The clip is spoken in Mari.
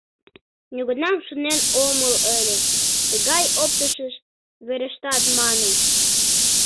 Нигунам шонен омыл ыле, тыгай оптышыш верештат манын...